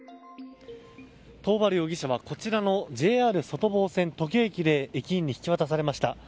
桃原容疑者はＪＲ外房線土気駅で駅員に引き渡されました。